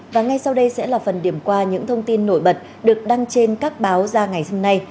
và ngay sau đây sẽ là phần điểm qua những thông tin nổi bật được đăng trên các báo ra ngày hôm nay